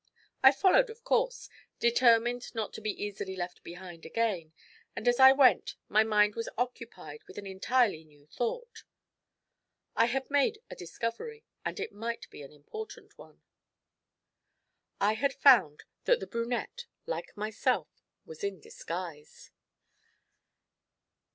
I followed, of course, determined not to be easily left behind again; and as I went, my mind was occupied with an entirely new thought. I had made a discovery, and it might be an important one. I had found that the brunette, like myself, was in disguise.